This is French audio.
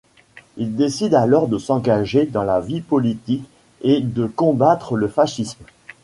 Il décide alors de s'engager dans la vie politique et de combattre le fascisme.